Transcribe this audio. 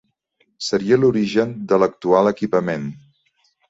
Seria l'origen de l'actual equipament.